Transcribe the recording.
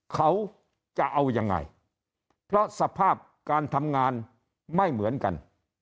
เขาจะเอายังไงเพราะสภาพการทำงานไม่เหมือนกัน